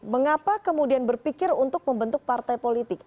mengapa kemudian berpikir untuk membentuk partai politik